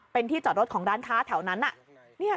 เป็นที่จอดรถของร้านค้าแถวนั้น